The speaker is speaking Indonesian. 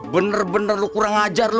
bener bener lu kurang ajar lho